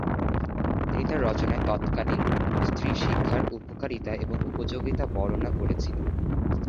তিনি তার রচনায় তৎকালীন স্ত্রী শিক্ষার উপকারিতা এবং উপযোগিতা বর্ণনা করেছিলেন।